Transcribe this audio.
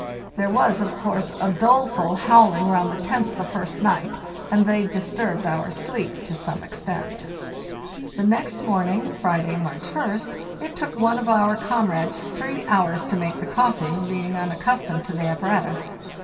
There was, of course, a doleful howling round the tents the first night,.and they disturbed our sleep LO, SOMME Exe: The next morning (Friday, March rst) it took one of our comrades three hours to make the coffee, being unaccustomed to the apparatus.